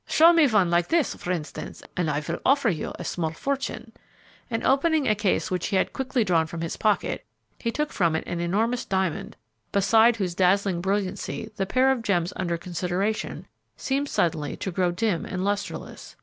"Show me one like this, for instance, and I will offer you a small fortune," and opening a case which he had quickly drawn from his pocket, he took from it an enormous diamond, beside whose dazzling brilliancy the pair of gems under consideration seemed suddenly to grow dim and lustreless.